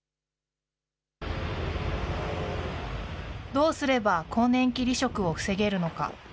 どうすれば更年期離職を防げるのか。